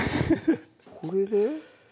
これで？